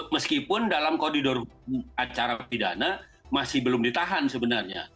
meskipun dalam koridor acara pidana masih belum ditahan sebenarnya